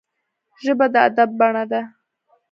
ژبه د ادب بڼه ده